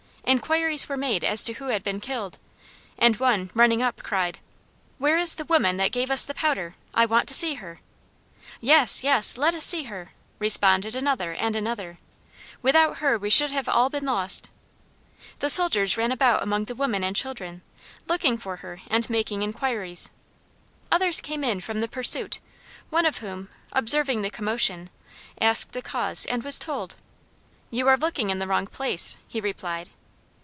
Inquiries were made as to who had been killed, and one, running up, cried, "Where is the woman that gave us the powder? I want to see her!" "Yes! yes! let us see her!" responded another and another; "without her we should have been all lost!" The soldiers ran about among the women and children, looking for her and making inquiries. Others came in from the pursuit, one of whom, observing the commotion, asked the cause, and was told. "You are looking in the wrong place," he replied.